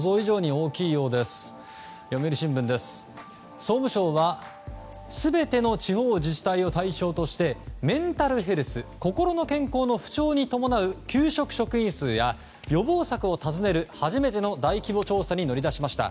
総務省は全ての地方自治体を対象としてメンタルヘルス心の健康の不調に伴う休職職員数や予防策を尋ねる初めての大規模調査に乗り出しました。